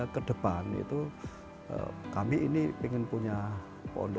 kedepan itu kami ini ingin punya pondok